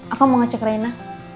aku mau ngecek reina